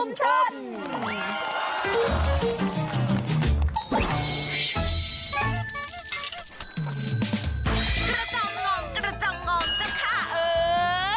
กระจ่างออกกระจ่างออกจ้ะค่ะ